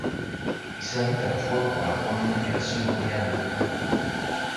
Il servit à la fois pendant la Première et la Seconde Guerre mondiale.